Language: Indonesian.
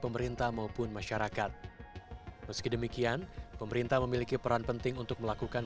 pemerintah maupun masyarakat meski demikian pemerintah memiliki peran penting untuk melakukan